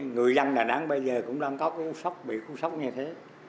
người dân đà nẵng bây giờ cũng đang có cái khu sốc bị khu sốc như thế